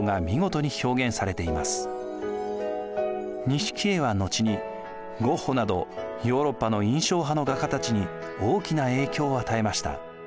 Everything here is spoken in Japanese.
錦絵は後にゴッホなどヨーロッパの印象派の画家たちに大きな影響を与えました。